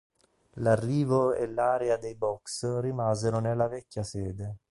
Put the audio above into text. L'arrivo e l'area dei box rimasero nella vecchia sede.